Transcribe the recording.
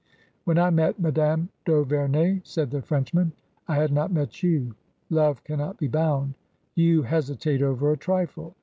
" When I met Madame d' Auverney," said the French man, " I had not met you. Love cannot be bound. You hesitate over a trifle.